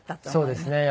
そうですね。